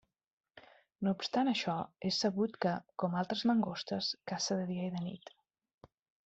No obstant això, és sabut que, com altres mangostes, caça de dia i de nit.